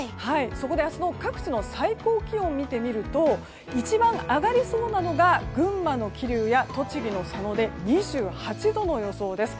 そこで明日の各地の最高気温を見てみると一番上がりそうなのが群馬の桐生や栃木の佐野で２８度の予想です。